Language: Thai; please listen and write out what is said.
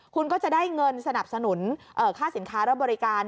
คุณก็จะได้เงินสนับสนุนค่าสินค้าและบริการ